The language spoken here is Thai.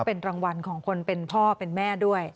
เป็นรางวัลของคนเป็นพ่อเป็นแม่ด้วย